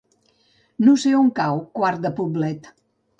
No sé on cau Quart de Poblet.